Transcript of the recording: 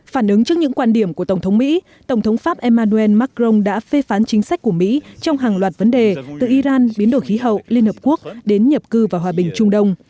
phản ứng trước những quan điểm của tổng thống mỹ tổng thống pháp emmanuel macron đã phê phán chính sách của mỹ trong hàng loạt vấn đề từ iran biến đổi khí hậu liên hợp quốc đến nhập cư và hòa bình trung đông